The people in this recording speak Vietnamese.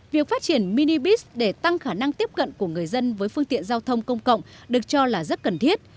việc phát triển minipis để tăng khả năng tiếp cận của người dân với phương tiện giao thông công cộng được cho là rất cần thiết